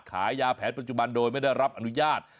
ขายยาแผนปัจจุบันโดยไม่ได้รับอนุญาต